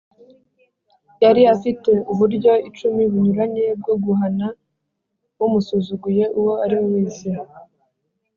Yari afite uburyo icumi bunyuranye bwo guhana umusuzuguye uwo ariwe wese